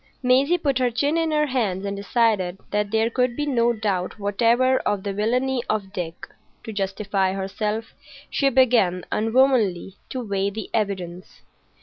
Maisie put her chin in her hands and decided that there could be no doubt whatever of the villainy of Dick. To justify herself, she began, unwomanly, to weigh the evidence.